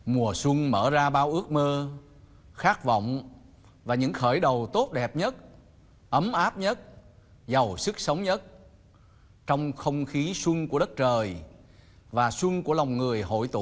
mùa xuân mở ra bao ước mơ khát vọng và những khởi đầu tốt đẹp nhất ấm áp nhất giàu sức sống nhất trong không khí xuân của đất trời và xuân của lòng người hội tụ